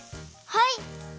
はい！